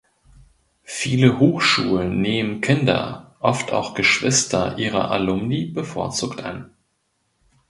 Viele Hochschulen nehmen Kinder (oft auch Geschwister) ihrer Alumni bevorzugt an.